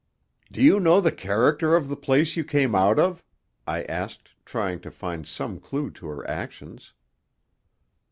"Do you know the character of the place you came out of?" I asked, trying to find some clue to her actions.